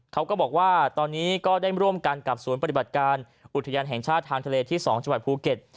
เขาก็บอกว่าตอนนี้ก็ได้ร่วมกันกับศูนย์ปฏิบัติการอุทยานแห่งชาติทางทะเลที่๒จังหวัดภูเก็ต